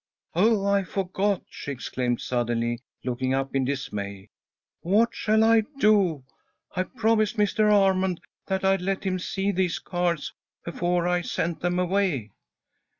"Oh, I forgot!" she exclaimed, suddenly, looking up in dismay. "What shall I do? I promised Mr. Armond that I'd let him see these cards before I sent them away."